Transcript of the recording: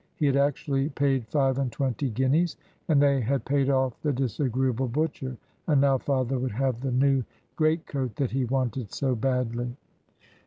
he had actually paid five and twenty guineas, and they had paid off the disagreeable butcher; and now father would have the new great coat that he wanted so badly.